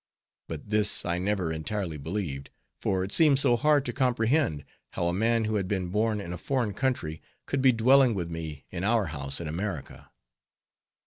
But this I never entirely believed; for it seemed so hard to comprehend, how a man who had been born in a foreign country, could be dwelling with me in our house in America.